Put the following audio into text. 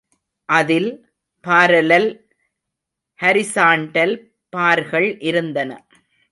அதில், parallel, horizontal பார்கள் இருந்தன.